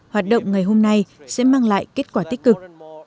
hoạt động ngày hôm nay sẽ mang lại kết quả tích cực